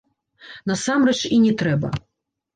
Насамрэч і не трэба.